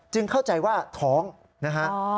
เข้าใจว่าท้องนะฮะ